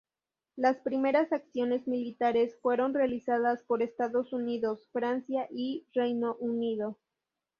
Las primeras acciones militares fueron realizadas por Estados Unidos, Francia y Reino Unido.